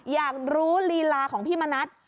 อยากรู้ลีลาของพี่มณัฐ